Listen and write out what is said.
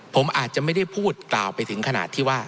ผมอาจจะไม่ได้พูดกล่าวไปถึงขนาดที่ว่า